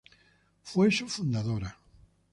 Fue su fundadora.